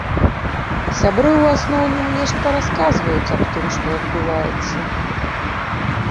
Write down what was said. Сябры, у асноўным, нешта расказваюць аб тым, што адбываецца.